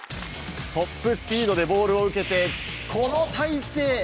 トップスピードでボールを受けてこの体勢！